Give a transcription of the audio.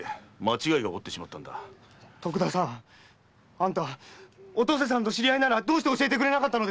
あんたお登世さんと知り合いならどうして教えてくれなかった？